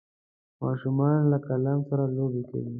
ماشومان له قلم سره لوبې کوي.